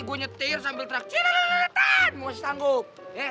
gue nyetir sambil teriak cililitan lo masih sanggup